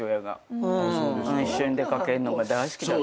一緒に出掛けるのが大好きだった。